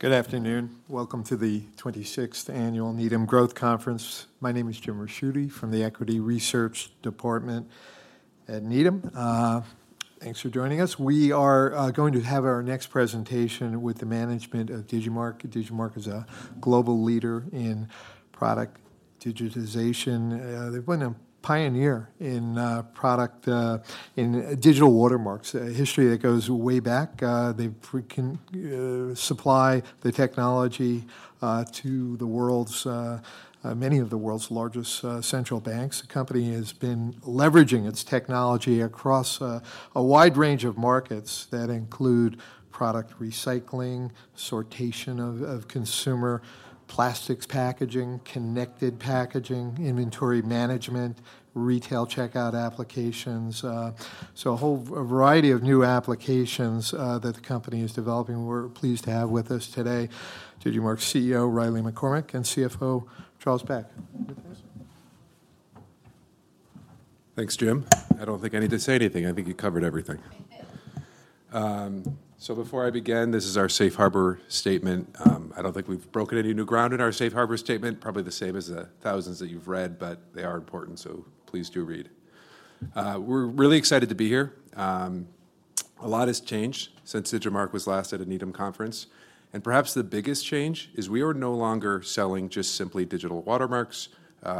Good afternoon. Welcome to the 26th Annual Needham Growth Conference. My name is Jim Ricchiuti from the Equity Research Department at Needham. Thanks for joining us. We are going to have our next presentation with the management of Digimarc. Digimarc is a global leader in product digitization. They've been a pioneer in digital watermarks, a history that goes way back. They can supply the technology to many of the world's largest central banks. The company has been leveraging its technology across a wide range of markets that include product recycling, sortation of consumer plastics packaging, connected packaging, inventory management, retail checkout applications. So a whole variety of new applications that the company is developing. We're pleased to have with us today, Digimarc CEO, Riley McCormack, and CFO, Charles Beck. Thanks, Jim. I don't think I need to say anything. I think you covered everything. So before I begin, this is our safe harbor statement. I don't think we've broken any new ground in our safe harbor statement, probably the same as the thousands that you've read, but they are important, so please do read. We're really excited to be here. A lot has changed since Digimarc was last at a Needham conference, and perhaps the biggest change is we are no longer selling just simply digital watermarks.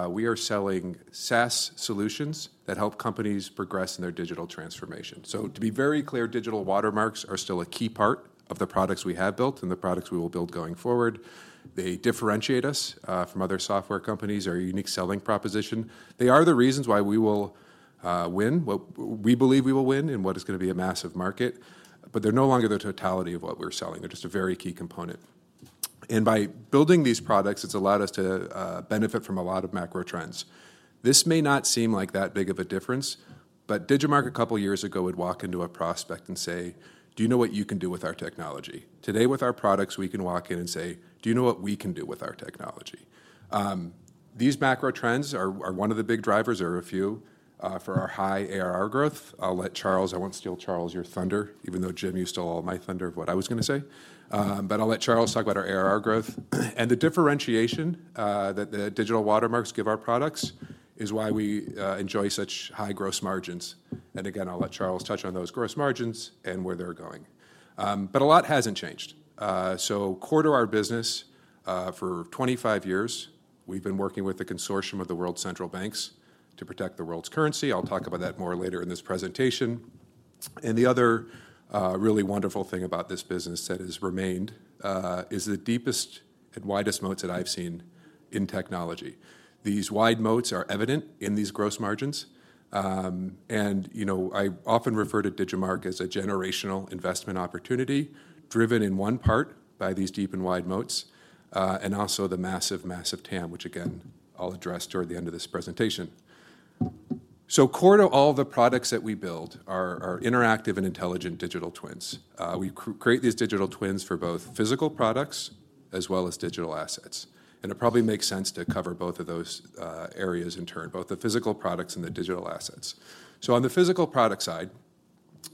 We are selling SaaS solutions that help companies progress in their digital transformation. So to be very clear, digital watermarks are still a key part of the products we have built and the products we will build going forward. They differentiate us from other software companies, our unique selling proposition. They are the reasons why we will win, what we believe we will win in what is going to be a massive market, but they're no longer the totality of what we're selling. They're just a very key component. And by building these products, it's allowed us to benefit from a lot of macro trends. This may not seem like that big of a difference, but Digimarc, a couple of years ago, would walk into a prospect and say, "Do you know what you can do with our technology?" Today, with our products, we can walk in and say, "Do you know what we can do with our technology?" These macro trends are, are one of the big drivers or a few for our high ARR growth. I'll let Charles... I won't steal, Charles, your thunder, even though, Jim, you stole all my thunder of what I was gonna say. But I'll let Charles talk about our ARR growth. And the differentiation that the digital watermarks give our products is why we enjoy such high gross margins. And again, I'll let Charles touch on those gross margins and where they're going. But a lot hasn't changed. So core to our business, for 25 years, we've been working with a consortium of the world's central banks to protect the world's currency. I'll talk about that more later in this presentation. And the other really wonderful thing about this business that has remained is the deepest and widest moats that I've seen in technology. These wide moats are evident in these gross margins. You know, I often refer to Digimarc as a generational investment opportunity, driven in one part by these deep and wide moats, and also the massive, massive TAM, which again, I'll address toward the end of this presentation. Core to all the products that we build are interactive and intelligent digital twins. We create these digital twins for both physical products as well as digital assets, and it probably makes sense to cover both of those areas in turn, both the physical products and the digital assets. On the physical product side,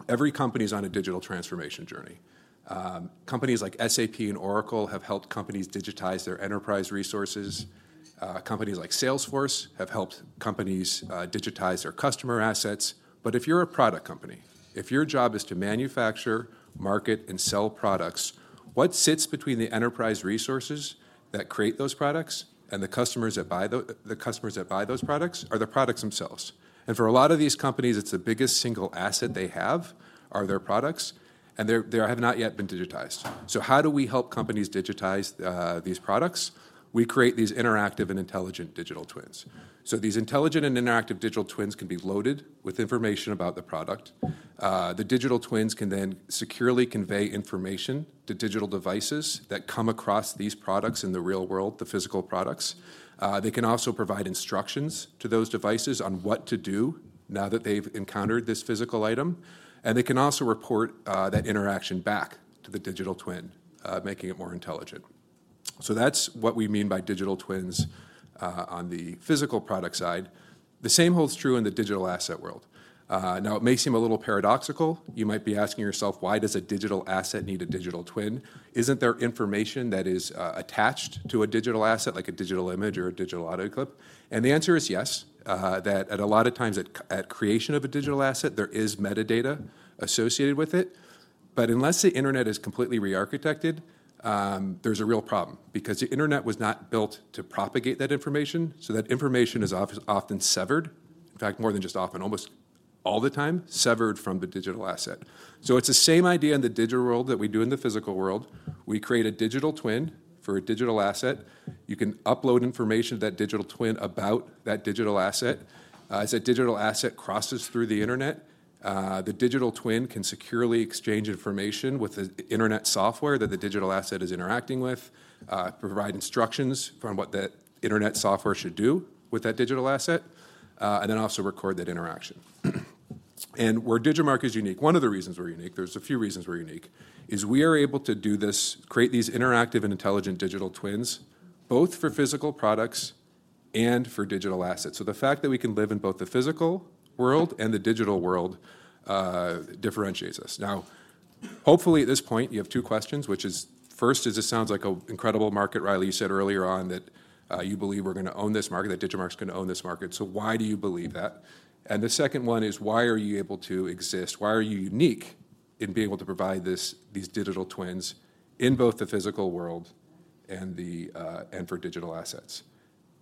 every company is on a digital transformation journey. Companies like SAP and Oracle have helped companies digitize their enterprise resources. Companies like Salesforce have helped companies digitize their customer assets. But if you're a product company, if your job is to manufacture, market, and sell products, what sits between the enterprise resources that create those products and the customers that buy the customers that buy those products, are the products themselves. And for a lot of these companies, it's the biggest single asset they have are their products, and they're, they have not yet been digitized. So how do we help companies digitize these products? We create these interactive and intelligent digital twins. So these intelligent and interactive digital twins can be loaded with information about the product. The digital twins can then securely convey information to digital devices that come across these products in the real world, the physical products. They can also provide instructions to those devices on what to do now that they've encountered this physical item, and they can also report, that interaction back to the digital twin, making it more intelligent. So that's what we mean by digital twins, on the physical product side. The same holds true in the digital asset world. Now, it may seem a little paradoxical. You might be asking yourself: Why does a digital asset need a digital twin? Isn't there information that is, attached to a digital asset, like a digital image or a digital audio clip? The answer is yes, that at a lot of times at creation of a digital asset, there is metadata associated with it, but unless the internet is completely rearchitected, there's a real problem because the internet was not built to propagate that information, so that information is often severed. In fact, more than just often, almost all the time, severed from the digital asset. So it's the same idea in the digital world that we do in the physical world. We create a digital twin for a digital asset. You can upload information to that digital twin about that digital asset. As that digital asset crosses through the internet, the digital twin can securely exchange information with the internet software that the digital asset is interacting with, provide instructions from what that internet software should do with that digital asset, and then also record that interaction. And where Digimarc is unique, one of the reasons we're unique, there's a few reasons we're unique, is we are able to do this, create these interactive and intelligent Digital Twins, both for physical products and for digital assets. So the fact that we can live in both the physical world and the digital world differentiates us. Now, hopefully, at this point, you have two questions, which is, first, is this sounds like a incredible market, Riley, you said earlier on that, you believe we're gonna own this market, that Digimarc's gonna own this market. So why do you believe that? And the second one is: Why are you able to exist? Why are you unique in being able to provide these digital twins in both the physical world and the, and for digital assets?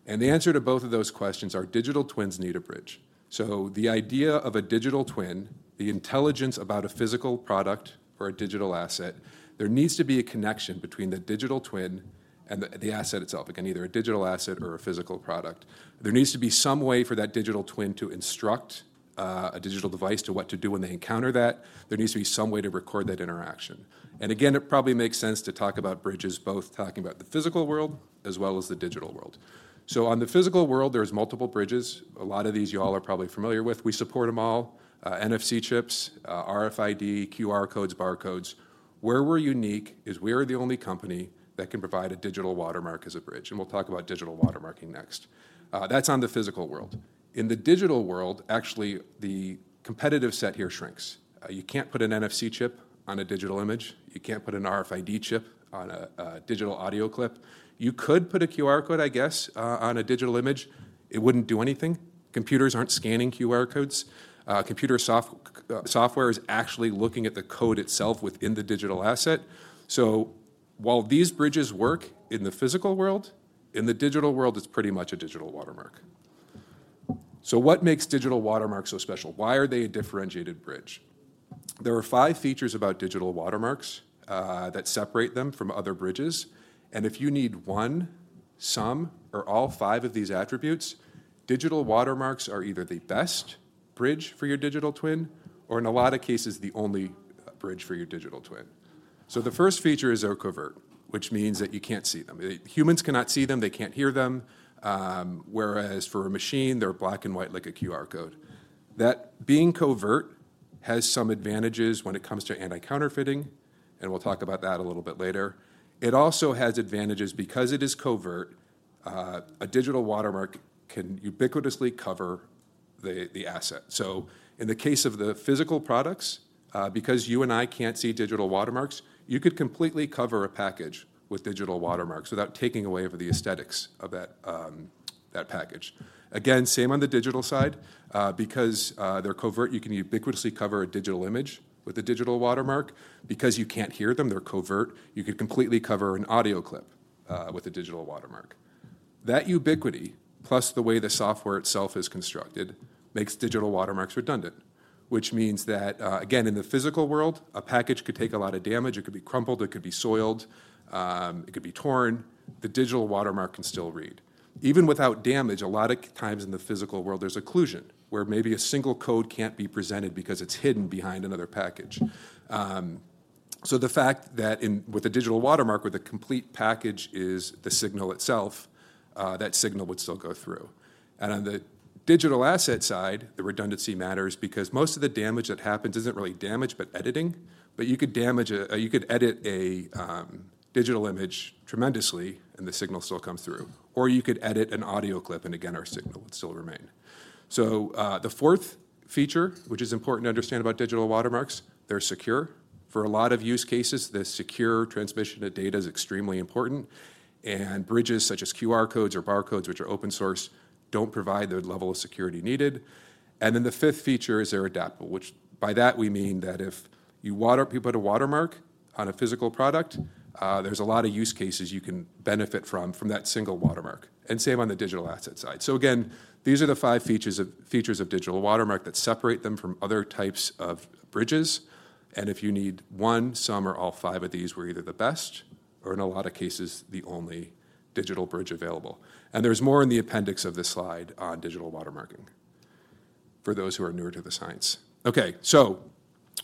And the answer to both of those questions are digital twins need a bridge. So the idea of a digital twin, the intelligence about a physical product or a digital asset, there needs to be a connection between the digital twin and the, the asset itself. Again, either a digital asset or a physical product. There needs to be some way for that digital twin to instruct a digital device to what to do when they encounter that. There needs to be some way to record that interaction. And again, it probably makes sense to talk about bridges, both talking about the physical world as well as the digital world. So on the physical world, there's multiple bridges. A lot of these you all are probably familiar with. We support them all, NFC chips, RFID, QR codes, barcodes. Where we're unique is we are the only company that can provide a digital watermark as a bridge, and we'll talk about digital watermarking next. That's on the physical world. In the digital world, actually, the competitive set here shrinks. You can't put an NFC chip on a digital image. You can't put an RFID chip on a digital audio clip. You could put a QR code, I guess, on a digital image. It wouldn't do anything. Computers aren't scanning QR codes. Computer software is actually looking at the code itself within the digital asset. So while these bridges work in the physical world, in the digital world, it's pretty much a digital watermark. So what makes digital watermarks so special? Why are they a differentiated bridge? There are five features about digital watermarks that separate them from other bridges, and if you need one, some, or all five of these attributes, digital watermarks are either the best bridge for your digital twin, or in a lot of cases, the only bridge for your digital twin. So the first feature is they're covert, which means that you can't see them. Humans cannot see them, they can't hear them, whereas for a machine, they're black and white like a QR code. That being covert has some advantages when it comes to anti-counterfeiting, and we'll talk about that a little bit later. It also has advantages because it is covert, a digital watermark can ubiquitously cover the asset. So in the case of the physical products, because you and I can't see digital watermarks, you could completely cover a package with digital watermarks without taking away from the aesthetics of that package. Again, same on the digital side. Because they're covert, you can ubiquitously cover a digital image with a digital watermark. Because you can't hear them, they're covert, you could completely cover an audio clip with a digital watermark. That ubiquity, plus the way the software itself is constructed, makes digital watermarks redundant, which means that, again, in the physical world, a package could take a lot of damage. It could be crumpled, it could be soiled, it could be torn. The digital watermark can still read. Even without damage, a lot of times in the physical world, there's occlusion, where maybe a single code can't be presented because it's hidden behind another package. So the fact that with a digital watermark, with a complete package is the signal itself, that signal would still go through. And on the digital asset side, the redundancy matters because most of the damage that happens isn't really damage, but editing. But you could damage or you could edit a digital image tremendously, and the signal still comes through, or you could edit an audio clip, and again, our signal would still remain. So the fourth feature, which is important to understand about digital watermarks, they're secure. For a lot of use cases, the secure transmission of data is extremely important, and bridges such as QR codes or barcodes, which are open source, don't provide the level of security needed. And then the fifth feature is they're adaptable, which by that we mean that if you put a watermark on a physical product, there's a lot of use cases you can benefit from, from that single watermark, and same on the digital asset side. So again, these are the five features of, features of digital watermark that separate them from other types of bridges, and if you need one, some, or all five of these, we're either the best or, in a lot of cases, the only digital bridge available. And there's more in the appendix of this slide on digital watermarking for those who are newer to the science. Okay, so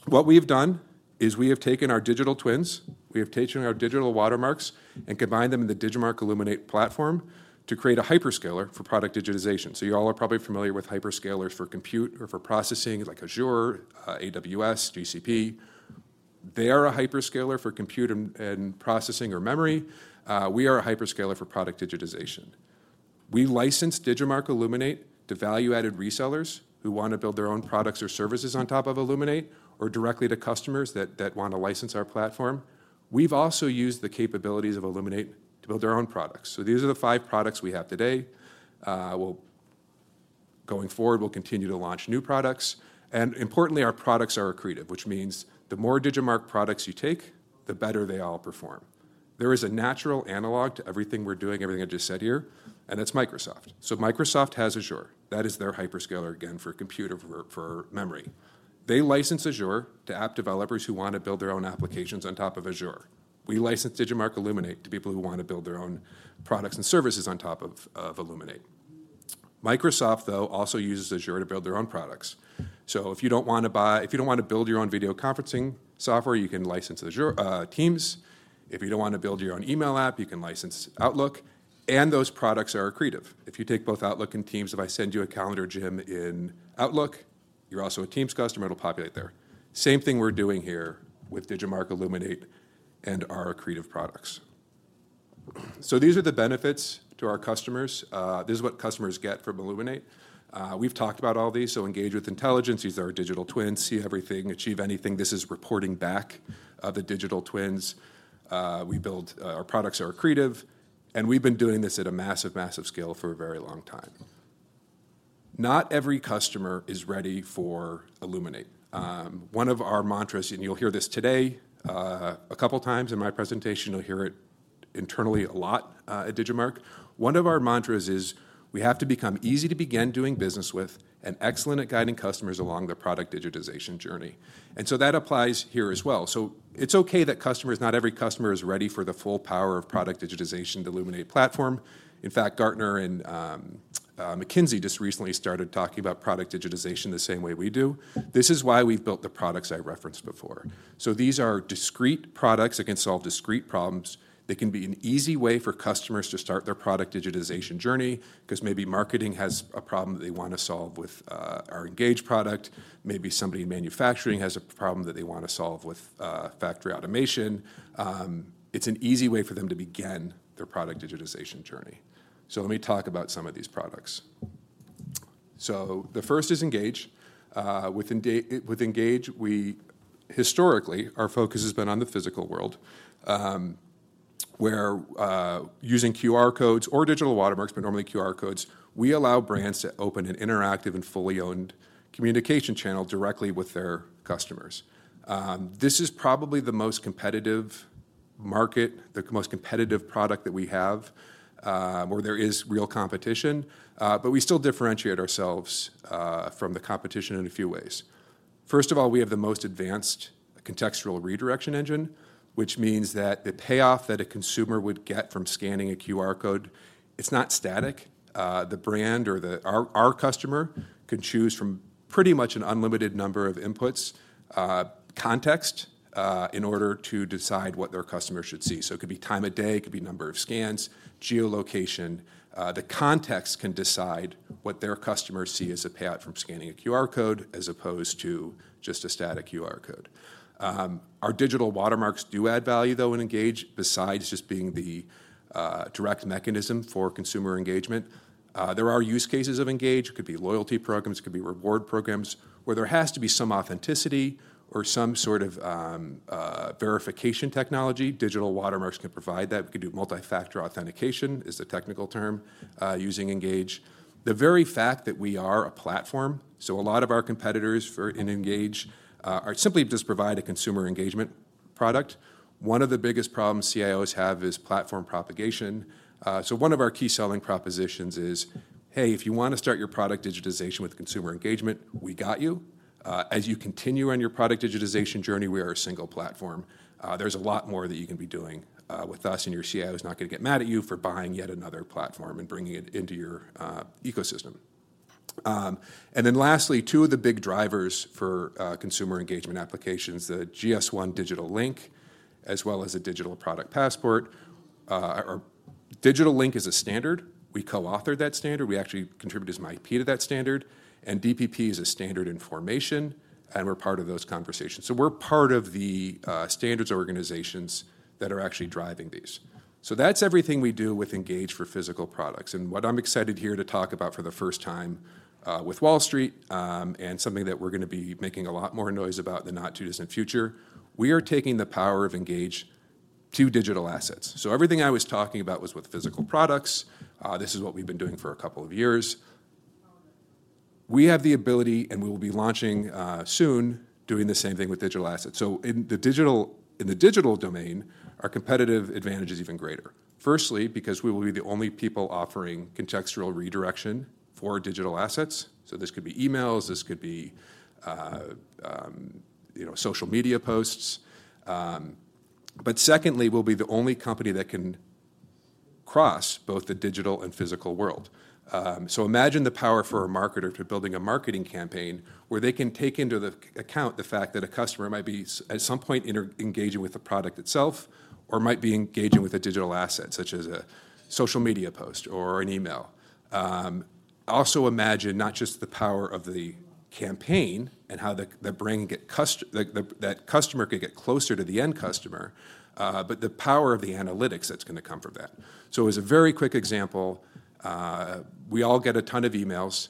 what we have done is we have taken our digital twins, we have taken our digital watermarks, and combined them in the Digimarc Illuminate platform to create a hyperscaler for product digitization. So you all are probably familiar with hyperscalers for compute or for processing, like Azure, AWS, GCP. They are a hyperscaler for compute and processing or memory. We are a hyperscaler for product digitization. We license Digimarc Illuminate to value-added resellers who want to build their own products or services on top of Illuminate or directly to customers that want to license our platform. We've also used the capabilities of Illuminate to build our own products. So these are the five products we have today. We'll... Going forward, we'll continue to launch new products, and importantly, our products are accretive, which means the more Digimarc products you take, the better they all perform. There is a natural analog to everything we're doing, everything I just said here, and it's Microsoft. So Microsoft has Azure. That is their hyperscaler, again, for compute or for memory. They license Azure to app developers who want to build their own applications on top of Azure. We license Digimarc Illuminate to people who want to build their own products and services on top of Illuminate. Microsoft, though, also uses Azure to build their own products. So if you don't want to build your own video conferencing software, you can license Azure Teams. If you don't want to build your own email app, you can license Outlook, and those products are accretive. If you take both Outlook and Teams, if I send you a calendar invite in Outlook, you're also a Teams customer, it'll populate there. Same thing we're doing here with Digimarc Illuminate and our accretive products. So these are the benefits to our customers. This is what customers get from Illuminate. We've talked about all these, so Engage with intelligence, these are our digital twins. See everything, achieve anything. This is reporting back, the digital twins. We build, our products are accretive, and we've been doing this at a massive, massive scale for a very long time. Not every customer is ready for Illuminate. One of our mantras, and you'll hear this today, a couple times in my presentation, you'll hear it internally a lot, at Digimarc. One of our mantras is, we have to become easy to begin doing business with and excellent at guiding customers along their product digitization journey. And so that applies here as well. So it's okay that customers, not every customer is ready for the full power of product digitization to Illuminate platform. In fact, Gartner and McKinsey just recently started talking about product digitization the same way we do. This is why we've built the products I referenced before. So these are discrete products that can solve discrete problems, that can be an easy way for customers to start their product digitization journey, 'cause maybe marketing has a problem that they wanna solve with our Engage product. Maybe somebody in manufacturing has a problem that they wanna solve with Factory Automation. It's an easy way for them to begin their product digitization journey. So let me talk about some of these products. So the first is Engage. With Engage, historically, our focus has been on the physical world, where, using QR codes or digital watermarks, but normally QR codes, we allow brands to open an interactive and fully owned communication channel directly with their customers. This is probably the most competitive market, the most competitive product that we have, where there is real competition, but we still differentiate ourselves, from the competition in a few ways. First of all, we have the most advanced contextual redirection engine, which means that the payoff that a consumer would get from scanning a QR code, it's not static. The brand or the... Our customer can choose from pretty much an unlimited number of inputs, context, in order to decide what their customer should see. So it could be time of day, it could be number of scans, geolocation. The context can decide what their customers see as a payout from scanning a QR code, as opposed to just a static QR code. Our digital watermarks do add value, though, in Engage, besides just being the direct mechanism for consumer engagement. There are use cases of Engage, could be loyalty programs, could be reward programs, where there has to be some authenticity or some sort of verification technology. Digital watermarks can provide that. We could do multi-factor authentication, is the technical term, using Engage. The very fact that we are a platform, so a lot of our competitors for, in Engage, are simply just provide a consumer engagement product. One of the biggest problems CIOs have is platform propagation. So one of our key selling propositions is, "Hey, if you wanna start your product digitization with consumer engagement, we got you. As you continue on your product digitization journey, we are a single platform. There's a lot more that you can be doing, with us, and your CIO is not gonna get mad at you for buying yet another platform and bringing it into your ecosystem." And then lastly, two of the big drivers for consumer engagement applications, the GS1 Digital Link, as well as a Digital Product Passport. Our Digital Link is a standard. We co-authored that standard. We actually contributed some IP to that standard, and DPP is a standard in formation, and we're part of those conversations. So we're part of the standards organizations that are actually driving these. So that's everything we do with Engage for physical products. And what I'm excited here to talk about for the first time with Wall Street, and something that we're gonna be making a lot more noise about in the not-too-distant future, we are taking the power of Engage to digital assets. So everything I was talking about was with physical products. This is what we've been doing for a couple of years. We have the ability, and we will be launching soon, doing the same thing with digital assets. So in the digital, in the digital domain, our competitive advantage is even greater. Firstly, because we will be the only people offering contextual redirection for digital assets. So this could be emails, this could be, you know, social media posts. But secondly, we'll be the only company that can cross both the digital and physical world. So imagine the power for a marketer to building a marketing campaign, where they can take into account the fact that a customer might be at some point engaging with the product itself, or might be engaging with a digital asset, such as a social media post or an email. Also imagine not just the power of the campaign and how the brand gets the customer closer to the end customer, but the power of the analytics that's gonna come from that. So as a very quick example, we all get a ton of emails.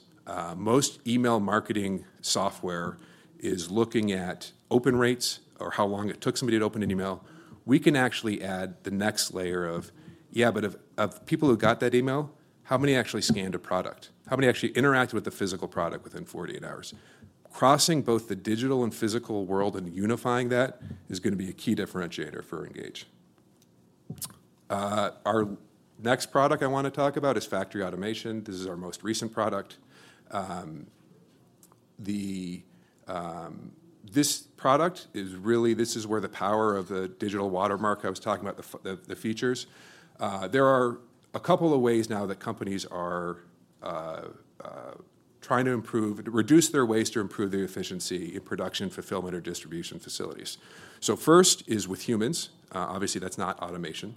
Most email marketing software is looking at open rates or how long it took somebody to open an email. We can actually add the next layer of: yeah, but of people who got that email, how many actually scanned a product? How many actually interacted with the physical product within 48 hours? Crossing both the digital and physical world and unifying that is gonna be a key differentiator for Engage. Our next product I wanna talk about is Factory Automation. This is our most recent product. This product is really, this is where the power of the digital watermark I was talking about, the features. There are a couple of ways now that companies are... trying to improve, to reduce their waste or improve their efficiency in production, fulfillment, or distribution facilities. So first is with humans. Obviously, that's not automation.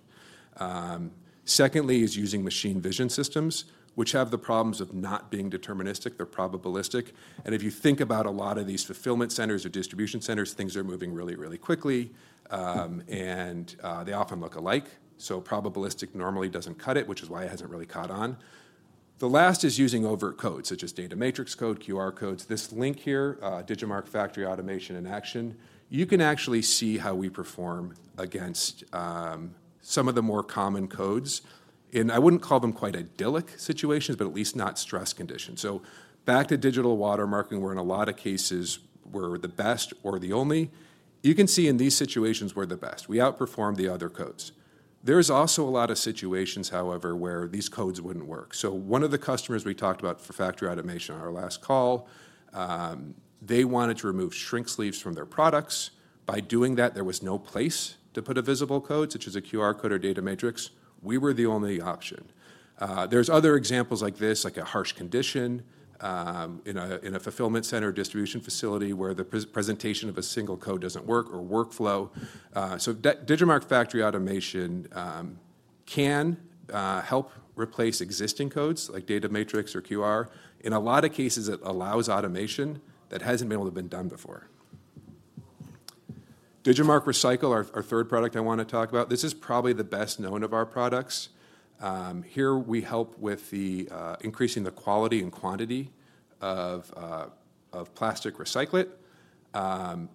Secondly, is using machine vision systems, which have the problems of not being deterministic, they're probabilistic. And if you think about a lot of these fulfillment centers or distribution centers, things are moving really, really quickly, and, they often look alike. So probabilistic normally doesn't cut it, which is why it hasn't really caught on. The last is using overt codes, such as Data Matrix Code, QR codes. This link here, Digimarc Factory Automation in action, you can actually see how we perform against, some of the more common codes. And I wouldn't call them quite idyllic situations, but at least not stress conditions. So back to digital watermarking, where in a lot of cases we're the best or the only. You can see in these situations, we're the best. We outperform the other codes. There's also a lot of situations, however, where these codes wouldn't work. So one of the customers we talked about for factory automation on our last call, they wanted to remove shrink sleeves from their products. By doing that, there was no place to put a visible code, such as a QR Code or Data Matrix. We were the only option. There's other examples like this, like a harsh condition in a fulfillment center or distribution facility, where the presentation of a single code doesn't work or workflow. So Digimarc Factory Automation can help replace existing codes like Data Matrix or QR. In a lot of cases, it allows automation that hasn't been able to been done before. Digimarc Recycle, our third product I want to talk about. This is probably the best known of our products. Here we help with the increasing the quality and quantity of of plastic recyclate.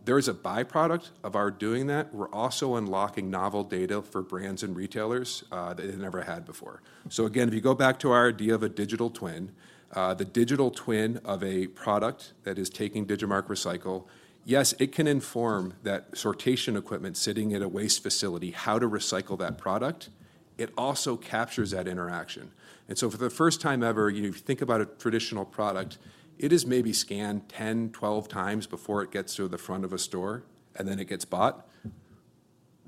There is a by-product of our doing that. We're also unlocking novel data for brands and retailers, they never had before. So again, if you go back to our idea of a digital twin, the digital twin of a product that is taking Digimarc Recycle, yes, it can inform that sortation equipment sitting at a waste facility, how to recycle that product. It also captures that interaction. And so for the first time ever, you think about a traditional product, it is maybe scanned 10, 12 times before it gets to the front of a store, and then it gets bought.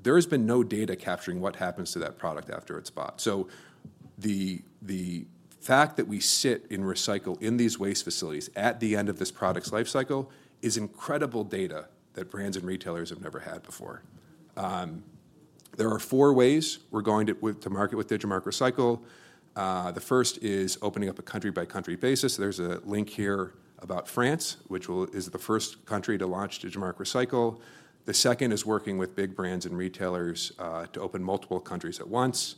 There has been no data capturing what happens to that product after it's bought. So the fact that we sit in recycle in these waste facilities at the end of this product's life cycle is incredible data that brands and retailers have never had before. There are 4 ways we're going to market with Digimarc Recycle. The first is opening up a country-by-country basis. There's a link here about France, which is the first country to launch Digimarc Recycle. The second is working with big brands and retailers to open multiple countries at once.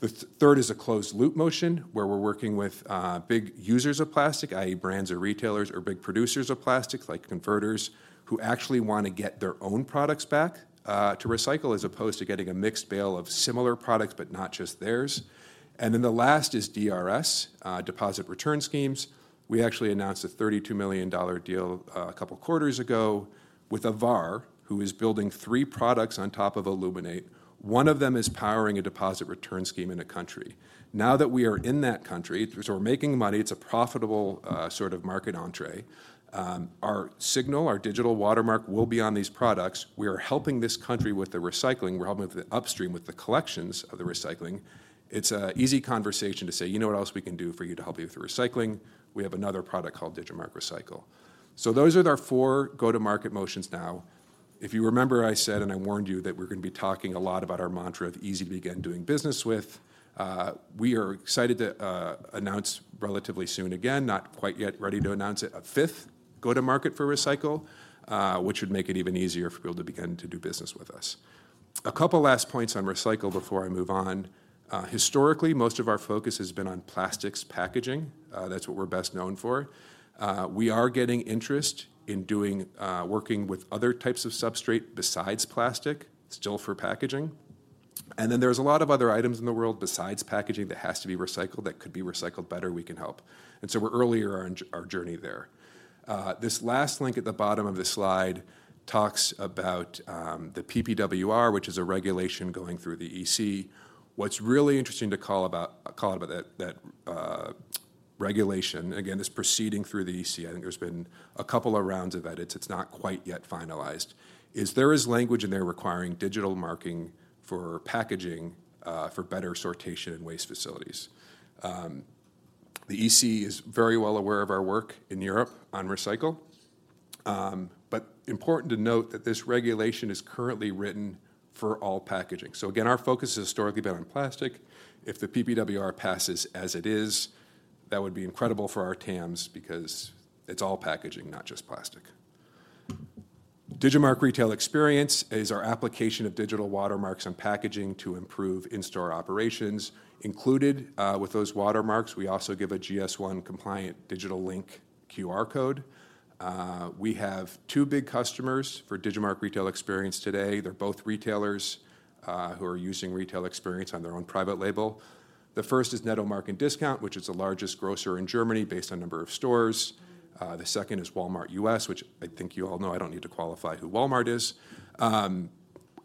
The third is a closed loop motion, where we're working with big users of plastic, i.e., brands or retailers or big producers of plastic, like converters, who actually want to get their own products baack to recycle, as opposed to getting a mixed bale of similar products, but not just theirs. Then the last is DRS, deposit return schemes. We actually announced a $32 million deal a couple quarters ago with Dever, who is building three products on top of Illuminate. One of them is powering a deposit return scheme in a country. Now that we are in that country, so we're making money, it's a profitable sort of market entree. Our signal, our digital watermark, will be on these products. We are helping this country with the recycling. We're helping with the upstream, with the collections of the recycling. It's an easy conversation to say, "You know what else we can do for you to help you with the recycling? We have another product called Digimarc Recycle." So those are our four go-to-market motions now. If you remember, I said, and I warned you that we're gonna be talking a lot about our mantra of easy to begin doing business with. We are excited to announce relatively soon, again, not quite yet ready to announce it, a fifth go-to-market for Recycle, which would make it even easier for people to begin to do business with us. A couple last points on Recycle before I move on. Historically, most of our focus has been on plastics packaging. That's what we're best known for. We are getting interest in working with other types of substrate besides plastic, still for packaging. And then there's a lot of other items in the world besides packaging that has to be recycled, that could be recycled better, we can help. And so we're earlier on our journey there. This last link at the bottom of this slide talks about the PPWR, which is a regulation going through the EC. What's really interesting to call out about that regulation, again, is proceeding through the EC. I think there's been a couple of rounds of edits. It's not quite yet finalized. There is language in there requiring digital marking for packaging for better sortation in waste facilities. The EC is very well aware of our work in Europe on Recycle. But important to note that this regulation is currently written for all packaging. So again, our focus has historically been on plastic. If the PPWR passes as it is, that would be incredible for our TAMs because it's all packaging, not just plastic. Digimarc Retail Experience is our application of digital watermarks on packaging to improve in-store operations. Included with those watermarks, we also give a GS1 compliant digital link QR code. We have two big customers for Digimarc Retail Experience today. They're both retailers who are using Retail Experience on their own private label. The first is Netto Marken-Discount, which is the largest grocer in Germany, based on number of stores. The second is Walmart U.S., which I think you all know. I don't need to qualify who Walmart is.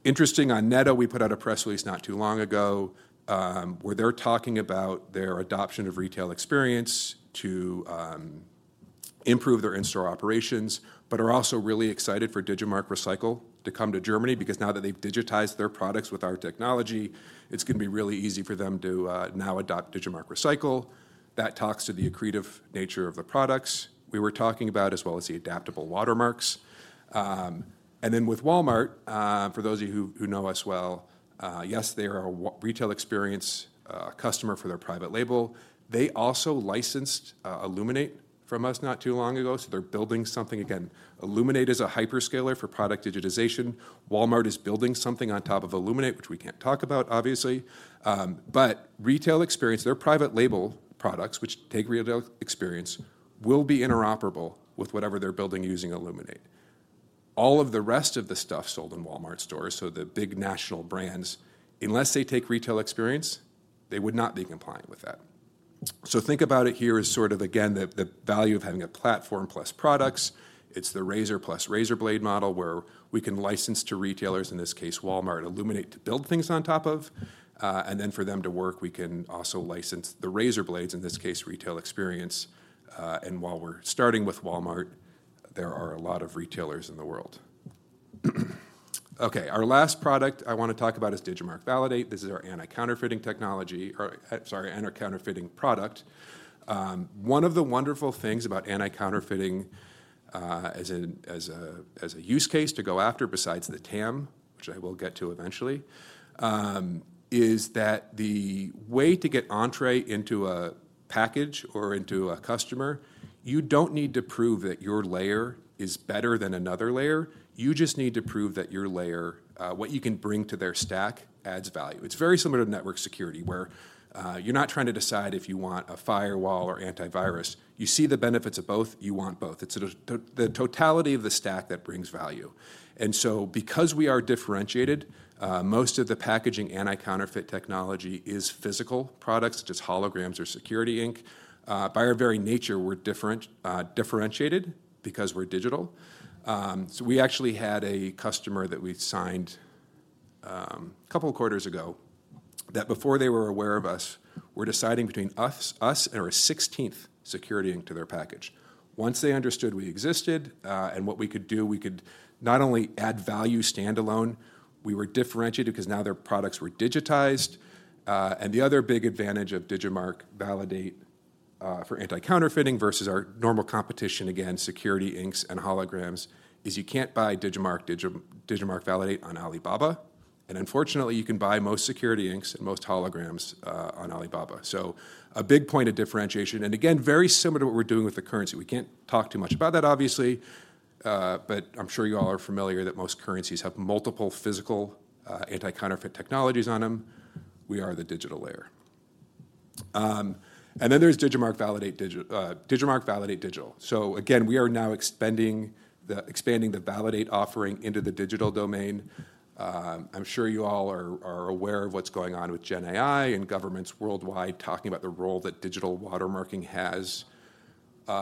Interesting on Netto, we put out a press release not too long ago where they're talking about their adoption of Retail Experience to, improve their in-store operations, but are also really excited for Digimarc Recycle to come to Germany, because now that they've digitized their products with our technology, it's gonna be really easy for them to now adopt Digimarc Recycle. That talks to the accretive nature of the products we were talking about, as well as the adaptable watermarks. And then with Walmart, for those of you who know us well, yes, they are a Retail Experience customer for their private label. They also licensed Illuminate from us not too long ago, so they're building something. Again, Illuminate is a hyperscaler for product digitization. Walmart is building something on top of Illuminate, which we can't talk about, obviously. But Retail Experience, their private label products, which take Retail Experience, will be interoperable with whatever they're building using Illuminate. All of the rest of the stuff sold in Walmart stores, so the big national brands, unless they take Retail Experience, they would not be compliant with that. So think about it here as sort of, again, the value of having a platform plus products. It's the razor plus razor blade model, where we can license to retailers, in this case, Walmart, Illuminate, to build things on top of. And then for them to work, we can also license the razor blades, in this case, Retail Experience. And while we're starting with Walmart, there are a lot of retailers in the world. Okay, our last product I wanna talk about is Digimarc Validate. This is our anti-counterfeiting technology, or, sorry, anti-counterfeiting product. One of the wonderful things about anti-counterfeiting, as a use case to go after, besides the TAM, which I will get to eventually, is that the way to get entree into a package or into a customer, you don't need to prove that your layer is better than another layer. You just need to prove that your layer, what you can bring to their stack, adds value. It's very similar to network security, where you're not trying to decide if you want a firewall or antivirus. You see the benefits of both, you want both. It's the totality of the stack that brings value. And so because we are differentiated, most of the packaging anti-counterfeit technology is physical products, such as holograms or security ink. By our very nature, we're different, differentiated because we're digital. So we actually had a customer that we signed a couple of quarters ago that before they were aware of us were deciding between us and overt security ink to their package. Once they understood we existed and what we could do, we could not only add value standalone, we were differentiated because now their products were digitized. And the other big advantage of Digimarc Validate for anti-counterfeiting versus our normal competition, again, security inks and holograms, is you can't buy Digimarc Validate on Alibaba. And unfortunately, you can buy most security inks and most holograms on Alibaba. So a big point of differentiation, and again, very similar to what we're doing with the currency. We can't talk too much about that, obviously, but I'm sure you all are familiar that most currencies have multiple physical anti-counterfeit technologies on them. We are the digital layer. And then there's Digimarc Validate Digital. So again, we are now expanding the Validate offering into the digital domain. I'm sure you all are aware of what's going on with Gen AI and governments worldwide talking about the role that digital watermarking has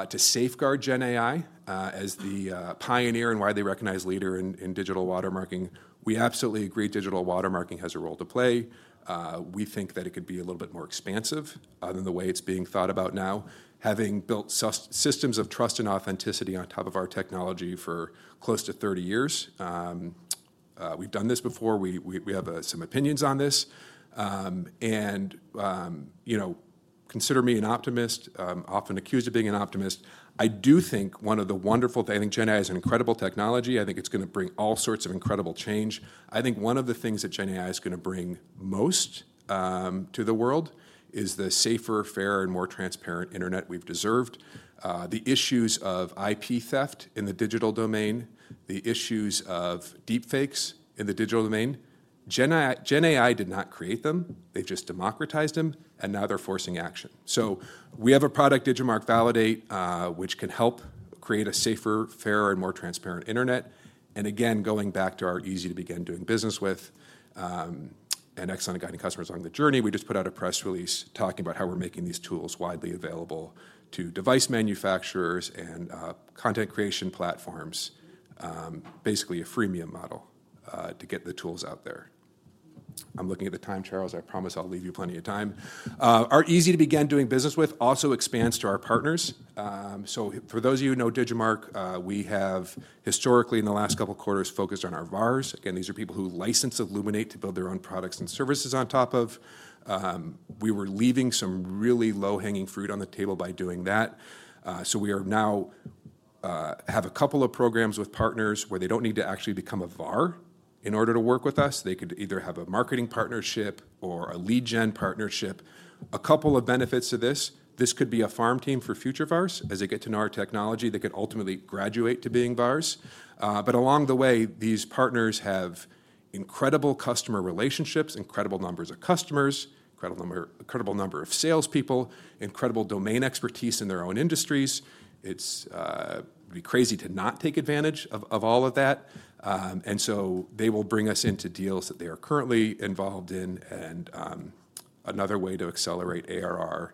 to safeguard Gen AI. As the pioneer and widely recognized leader in digital watermarking, we absolutely agree digital watermarking has a role to play. We think that it could be a little bit more expansive than the way it's being thought about now. Having built systems of trust and authenticity on top of our technology for close to 30 years, we've done this before. We have some opinions on this. You know, consider me an optimist. I'm often accused of being an optimist. I do think one of the wonderful things... I think Gen AI is an incredible technology. I think it's gonna bring all sorts of incredible change. I think one of the things that Gen AI is gonna bring most to the world is the safer, fairer, and more transparent internet we've deserved. The issues of IP theft in the digital domain, the issues of deepfakes in the digital domain, Gen AI did not create them. They've just democratized them, and now they're forcing action. So we have a product, Digimarc Validate, which can help create a safer, fairer, and more transparent internet. And again, going back to our easy to begin doing business with, and excellent at guiding customers along the journey, we just put out a press release talking about how we're making these tools widely available to device manufacturers and, content creation platforms. Basically a freemium model, to get the tools out there. I'm looking at the time, Charles. I promise I'll leave you plenty of time. Our easy to begin doing business with also expands to our partners. So for those of you who know Digimarc, we have historically, in the last couple of quarters, focused on our VARs. Again, these are people who license Illuminate to build their own products and services on top of. We were leaving some really low-hanging fruit on the table by doing that. So we now have a couple of programs with partners where they don't need to actually become a VAR in order to work with us. They could either have a marketing partnership or a lead gen partnership. A couple of benefits to this: This could be a farm team for future VARs. As they get to know our technology, they could ultimately graduate to being VARs. But along the way, these partners have incredible customer relationships, incredible numbers of customers, incredible number of salespeople, incredible domain expertise in their own industries. It'd be crazy to not take advantage of all of that. And so they will bring us into deals that they are currently involved in, and another way to accelerate ARR.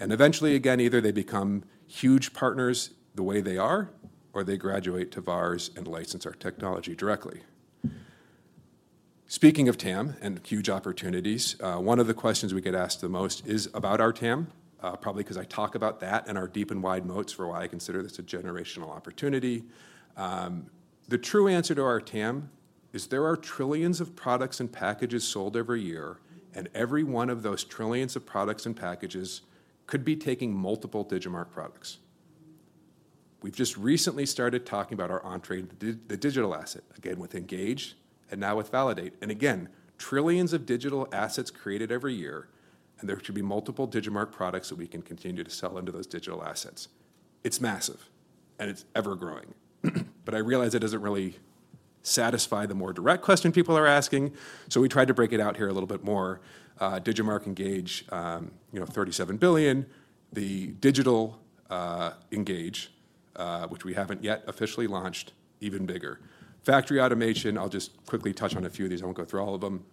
Eventually, again, either they become huge partners the way they are, or they graduate to VARs and license our technology directly... Speaking of TAM and huge opportunities, one of the questions we get asked the most is about our TAM, probably 'cause I talk about that and our deep and wide moats for why I consider this a generational opportunity. The true answer to our TAM is there are trillions of products and packages sold every year, and every one of those trillions of products and packages could be taking multiple Digimarc products. We've just recently started talking about our entry into the digital asset, again, with Engage and now with Validate. And again, trillions of digital assets created every year, and there could be multiple Digimarc products that we can continue to sell into those digital assets. It's massive, and it's ever-growing. But I realize that doesn't really satisfy the more direct question people are asking, so we tried to break it out here a little bit more. Digimarc Engage, you know, $37 billion. The digital Engage, which we haven't yet officially launched, even bigger. Factory Automation, I'll just quickly touch on a few of these. I won't go through all of them.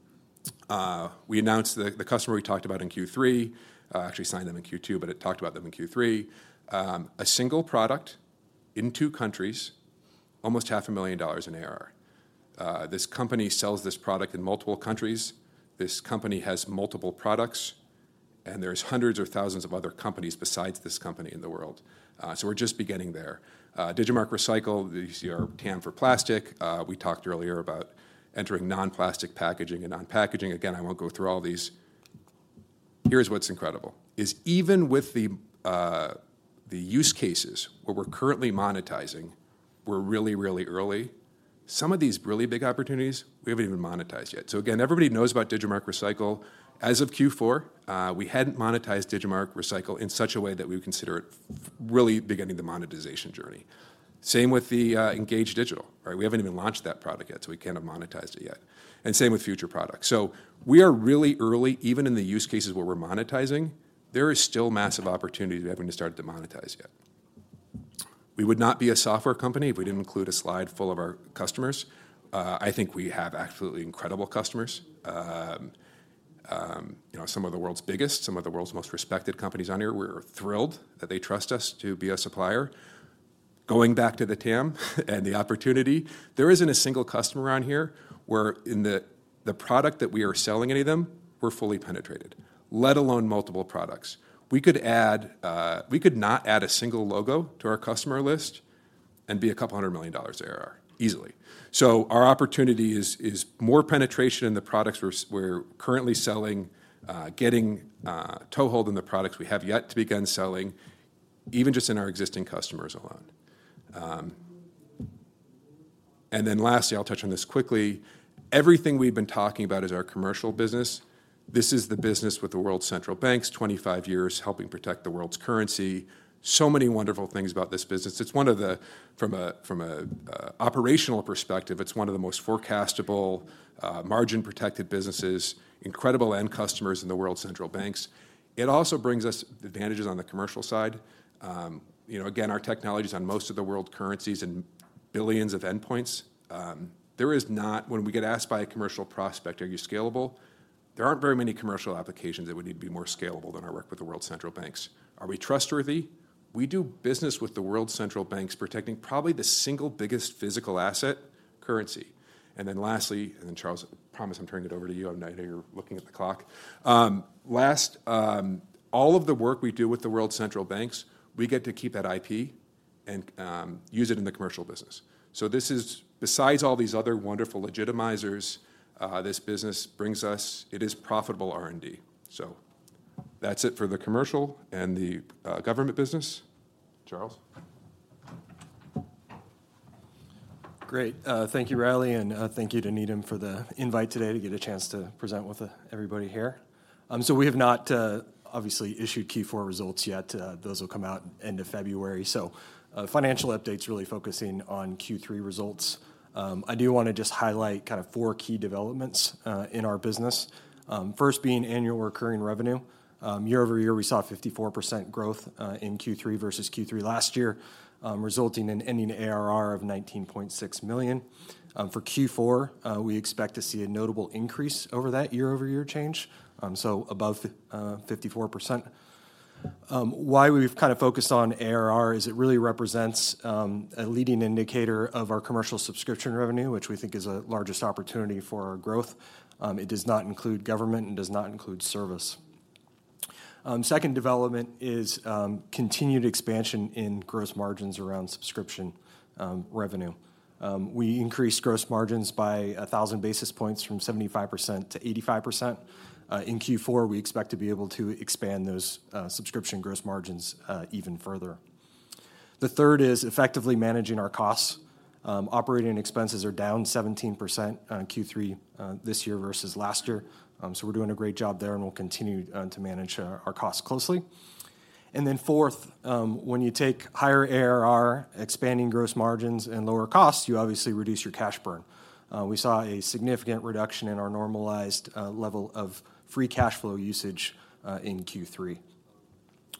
We announced the customer we talked about in Q3, actually signed them in Q2, but I talked about them in Q3. A single product in two countries, almost $500,000 in ARR. This company sells this product in multiple countries. This company has multiple products, and there's hundreds or thousands of other companies besides this company in the world. So we're just beginning there. Digimarc Recycle, you see our TAM for plastic. We talked earlier about entering non-plastic packaging and non-packaging. Again, I won't go through all these. Here's what's incredible, is even with the, the use cases, where we're currently monetizing, we're really, really early. Some of these really big opportunities, we haven't even monetized yet. So again, everybody knows about Digimarc Recycle. As of Q4, we hadn't monetized Digimarc Recycle in such a way that we would consider it really beginning the monetization journey. Same with the, Digimarc Engage, right? We haven't even launched that product yet, so we can't have monetized it yet, and same with future products. So we are really early, even in the use cases where we're monetizing. There is still massive opportunity we haven't even started to monetize yet. We would not be a software company if we didn't include a slide full of our customers. I think we have absolutely incredible customers. You know, some of the world's biggest, some of the world's most respected companies on here. We're thrilled that they trust us to be a supplier. Going back to the TAM and the opportunity, there isn't a single customer on here where in the, the product that we are selling any of them, we're fully penetrated, let alone multiple products. We could add... We could not add a single logo to our customer list and be $200 million ARR, easily. So our opportunity is more penetration in the products we're currently selling, getting toehold in the products we have yet to begin selling, even just in our existing customers alone. And then lastly, I'll touch on this quickly. Everything we've been talking about is our commercial business. This is the business with the world's central banks, 25 years helping protect the world's currency. So many wonderful things about this business. It's one of the—From an operational perspective, it's one of the most forecastable, margin-protected businesses, incredible end customers in the world's central banks. It also brings us advantages on the commercial side. You know, again, our technology is on most of the world currencies and billions of endpoints. There is not—When we get asked by a commercial prospect: "Are you scalable?" There aren't very many commercial applications that would need to be more scalable than our work with the world's central banks. Are we trustworthy? We do business with the world's central banks, protecting probably the single biggest physical asset, currency. And then lastly, Charles, I promise I'm turning it over to you. I know you're looking at the clock. All of the work we do with the world's central banks, we get to keep that IP and use it in the commercial business. So this is, besides all these other wonderful legitimizers, this business brings us, it is profitable R&D. So that's it for the commercial and the government business. Charles? Great. Thank you, Riley, and thank you to Needham for the invite today to get a chance to present with everybody here. So we have not obviously issued Q4 results yet. Those will come out end of February. So financial update's really focusing on Q3 results. I do wanna just highlight kind of four key developments in our business, first being annual recurring revenue. Year-over-year, we saw 54% growth in Q3 versus Q3 last year, resulting in ending ARR of $19.6 million. For Q4, we expect to see a notable increase over that year-over-year change, so above 54%. Why we've kind of focused on ARR is it really represents a leading indicator of our commercial subscription revenue, which we think is the largest opportunity for our growth. It does not include government, and does not include service. Second development is continued expansion in gross margins around subscription revenue. We increased gross margins by 1,000 basis points, from 75% to 85%. In Q4, we expect to be able to expand those subscription gross margins even further. The third is effectively managing our costs. Operating expenses are down 17% on Q3 this year versus last year. So we're doing a great job there, and we'll continue to manage our costs closely. And then fourth, when you take higher ARR, expanding gross margins, and lower costs, you obviously reduce your cash burn. We saw a significant reduction in our normalized level of free cash flow usage in Q3.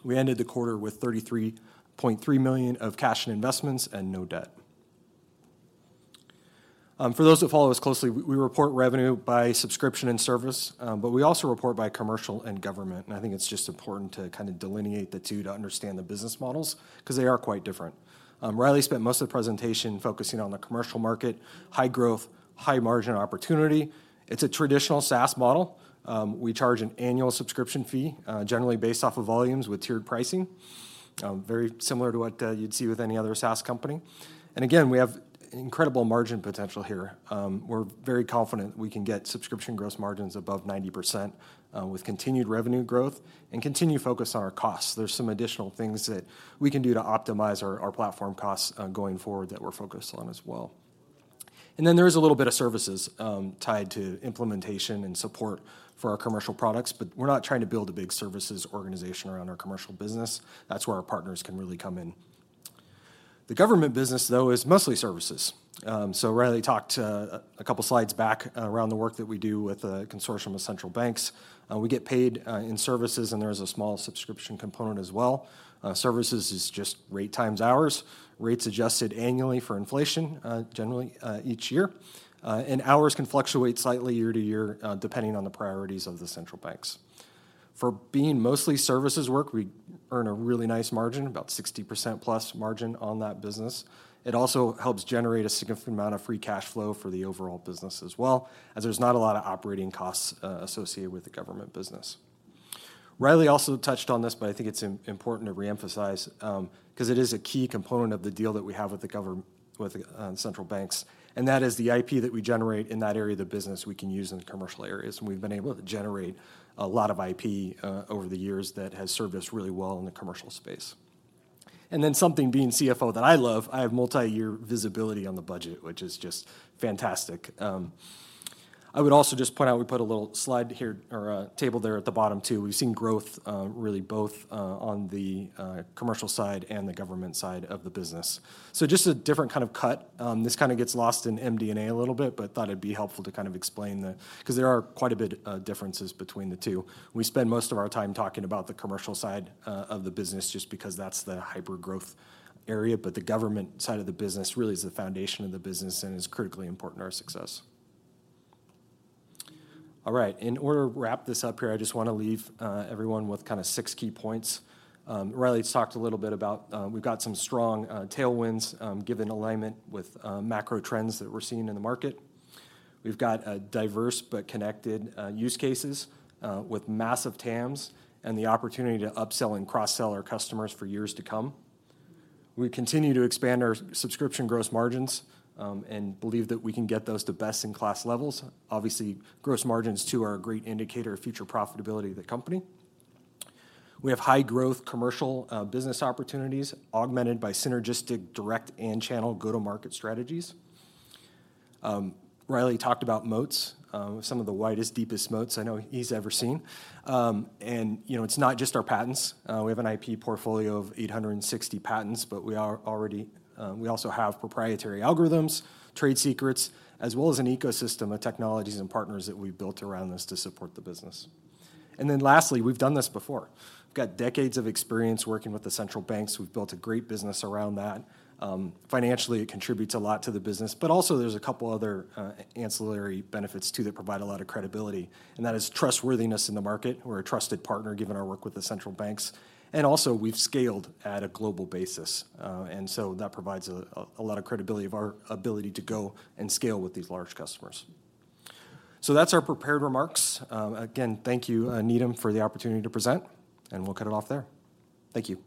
We ended the quarter with $33.3 million of cash and investments and no debt. For those that follow us closely, we report revenue by subscription and service, but we also report by commercial and government. And I think it's just important to kinda delineate the two to understand the business models, 'cause they are quite different. Riley spent most of the presentation focusing on the commercial market, high growth, high margin opportunity. It's a traditional SaaS model. We charge an annual subscription fee, generally based off of volumes with tiered pricing. Very similar to what you'd see with any other SaaS company. And again, we have incredible margin potential here. We're very confident we can get subscription gross margins above 90%, with continued revenue growth and continue to focus on our costs. There's some additional things that we can do to optimize our platform costs, going forward that we're focused on as well. And then there is a little bit of services tied to implementation and support for our commercial products, but we're not trying to build a big services organization around our commercial business. That's where our partners can really come in. The government business, though, is mostly services. So Riley talked a couple slides back, around the work that we do with a consortium of central banks. We get paid in services, and there is a small subscription component as well. Services is just rate times hours, rates adjusted annually for inflation, generally, each year. And hours can fluctuate slightly year to year, depending on the priorities of the central banks. For being mostly services work, we earn a really nice margin, about 60% plus margin on that business. It also helps generate a significant amount of free cash flow for the overall business as well, as there's not a lot of operating costs associated with the government business. Riley also touched on this, but I think it's important to reemphasize, 'cause it is a key component of the deal that we have with central banks, and that is the IP that we generate in that area of the business, we can use in the commercial areas. And we've been able to generate a lot of IP over the years that has served us really well in the commercial space. And then something being CFO that I love, I have multi-year visibility on the budget, which is just fantastic. I would also just point out, we put a little slide here or a table there at the bottom, too. We've seen growth really both on the commercial side and the government side of the business. So just a different kind of cut. This kinda gets lost in MD&A a little bit, but thought it'd be helpful to kind of explain the... 'Cause there are quite a bit of differences between the two. We spend most of our time talking about the commercial side of the business just because that's the hyper-growth area, but the government side of the business really is the foundation of the business and is critically important to our success. All right. In order to wrap this up here, I just wanna leave everyone with kinda six key points. Riley's talked a little bit about, we've got some strong tailwinds given alignment with macro trends that we're seeing in the market. We've got a diverse but connected use cases with massive TAMs and the opportunity to upsell and cross-sell our customers for years to come. We continue to expand our subscription gross margins, and believe that we can get those to best-in-class levels. Obviously, gross margins, too, are a great indicator of future profitability of the company. We have high-growth commercial business opportunities, augmented by synergistic direct and channel go-to-market strategies. Riley talked about moats, some of the widest, deepest moats I know he's ever seen. And, you know, it's not just our patents. We have an IP portfolio of 860 patents, but we are already, we also have proprietary algorithms, trade secrets, as well as an ecosystem of technologies and partners that we've built around this to support the business. And then lastly, we've done this before. We've got decades of experience working with the central banks. We've built a great business around that. Financially, it contributes a lot to the business, but also, there's a couple other ancillary benefits, too, that provide a lot of credibility, and that is trustworthiness in the market. We're a trusted partner, given our work with the central banks, and also, we've scaled at a global basis. And so that provides a lot of credibility of our ability to go and scale with these large customers. So that's our prepared remarks. Again, thank you, Needham, for the opportunity to present, and we'll cut it off there. Thank you.